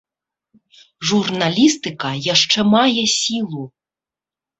Журналістыка яшчэ мае сілу.